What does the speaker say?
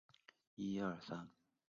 龙潭公园包括一湖。